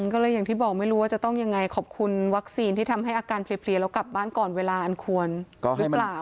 ก็เลยอย่างที่บอกไม่รู้ว่าจะต้องยังไงขอบคุณวัคซีนที่ทำให้อาการเพลียแล้วกลับบ้านก่อนเวลาอันควรหรือเปล่า